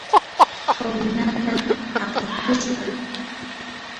hawnaata apakushqa.